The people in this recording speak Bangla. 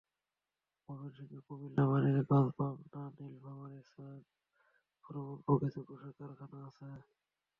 ময়মনসিংহ, কুমিল্লা, মানিকগঞ্জ, পাবনা, নীলফামারীর সৈয়দপুরেও অল্প কিছু পোশাক কারখানা আছে।